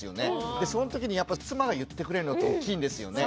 そのときにやっぱ妻が言ってくれるのって大きいんですよね。